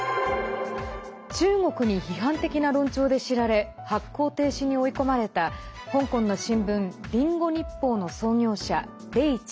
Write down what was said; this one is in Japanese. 中国に批判的な論調で知られ発行停止に追い込まれた香港の新聞、リンゴ日報の創業者黎智